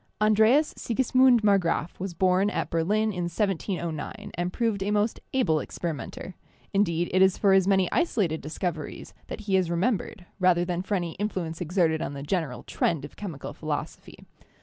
An dreas Sigismund Marggraf was born at Berlin in 1709, and proved a most able experimenter; indeed, it is for his many isolated discoveries that he is remembered rather than for any influence exerted on the general trend of chemical philosophy.